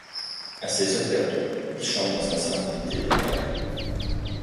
À ses heures perdues il chante dans un salon de thé local.